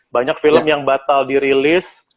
banyak film yang batal dirilis